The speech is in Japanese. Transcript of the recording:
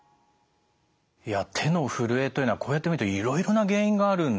いや手のふるえというのはこうやって見るといろいろな原因があるんですね。